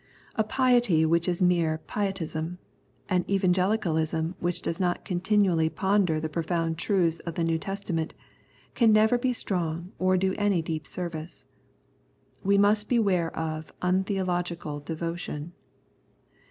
A piety which is mere pietism, an evangelicalism which does not continually ponder the pro found truths of the New Testament, can never be strong or do any deep service. We must beware of " untheological devotion."